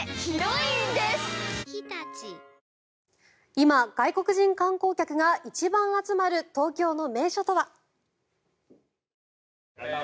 今、外国人観光客が一番集まる東京の名所とは。